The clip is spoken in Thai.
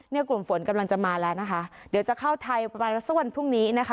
กลุ่มฝนกำลังจะมาแล้วนะคะเดี๋ยวจะเข้าไทยประมาณสักวันพรุ่งนี้นะคะ